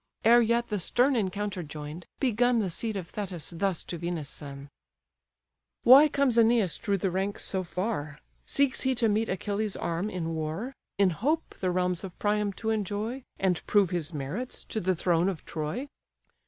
Ere yet the stern encounter join'd, begun The seed of Thetis thus to Venus' son: "Why comes Æneas through the ranks so far? Seeks he to meet Achilles' arm in war, In hope the realms of Priam to enjoy, And prove his merits to the throne of Troy?